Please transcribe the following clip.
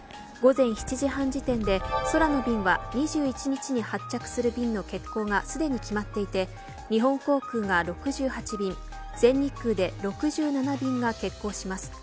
午前７時半時点で、空の便は２１日に発着する便の欠航がすでに決まっていて日本航空が６８便全日空で６７便が欠航します。